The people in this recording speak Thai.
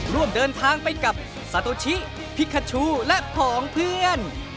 ร่วมเดินทางไปกับซาโตชิพิคชูและผองเพื่อน